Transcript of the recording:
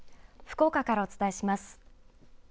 福岡からお伝えします。